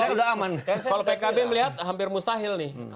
kalau pkb melihat hampir mustahil